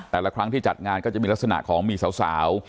แต่ละครั้งที่จัดงานก็จะมีลักษณะของมีสาว